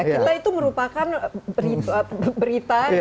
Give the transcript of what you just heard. kita itu merupakan berita yang dihadirkan pada hari itu